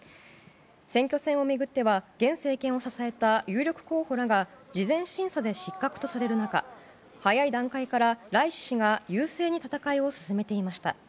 選挙戦を巡っては現政権を支えた有力候補らが事前審査で失格とされる中早い段階からライシ師が優勢に戦いを進めていました。